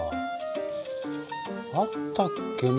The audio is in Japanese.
あったっけな？